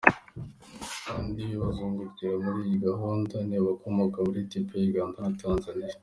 Abandi bazungukira muri iyi gahunda ni abakomoka muri Ethiopia, Uganda na Tanzania.